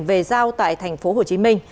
về giao tại tp hcm